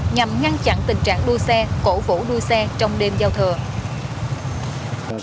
nhằm ngăn chặn tình trạng đua xe cổ vũ đua xe trong đêm giao thừa